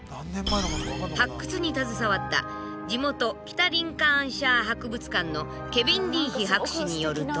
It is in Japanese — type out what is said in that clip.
発掘に携わった地元北リンカーンシャー博物館のケビン・リーヒ博士によると。